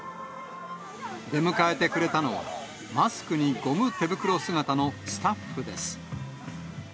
出迎えてくれたのは、マスクにゴム手袋姿のスタッフです。